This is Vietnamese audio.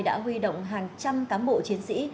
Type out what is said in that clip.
đã huy động hàng trăm cám bộ chiến sĩ